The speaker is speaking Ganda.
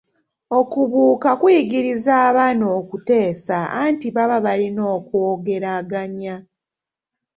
Okubuuka kuyigiriza abaana okuteesa anti baba balina okwogeraganya.